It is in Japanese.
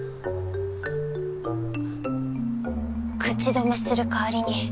口止めするかわりに。